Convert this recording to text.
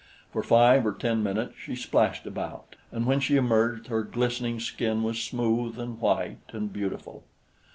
For five or ten minutes she splashed about, and when she emerged her glistening skin was smooth and white and beautiful.